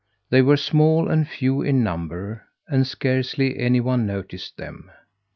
They were small and few in number, and scarcely any one noticed them.